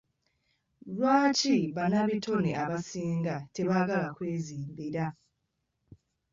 Lwaki bannabitone abasinga tebaagala kwezimbira?